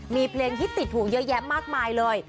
มีเพลงฮิตติดหูเยอะแยะมากมายเลย